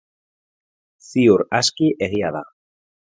Ziur aski egia da.